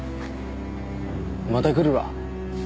また来るわ。